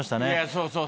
そうそう。